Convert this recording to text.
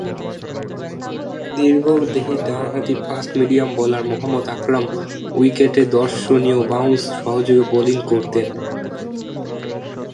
দীর্ঘদেহী ডানহাতি fast medium bowler Mohammad Akram উইকেটে দর্শনীয় বাউন্স সহযোগে বোলিং করতেন।